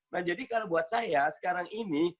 nah jadi kalau buat saya sekarang ini